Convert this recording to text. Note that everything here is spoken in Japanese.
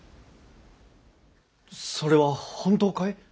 それは本当かい？